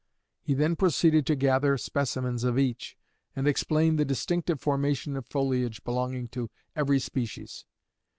He then proceeded to gather specimens of each, and explain the distinctive formation of foliage belonging to every species.